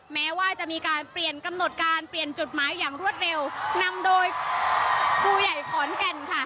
แม้ว่าจะมีการเปลี่ยนกำหนดการเปลี่ยนจุดหมายอย่างรวดเร็วนำโดยผู้ใหญ่ขอนแก่นค่ะ